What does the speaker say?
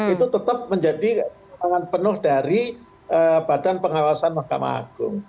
itu tetap menjadi tangan penuh dari badan pengawasan mahkamah agung